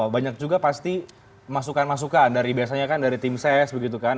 banyak juga pasti masukan masukan dari biasanya kan dari tim ses begitu kan